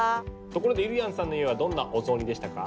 ところでゆりやんさんの家はどんなお雑煮でしたか？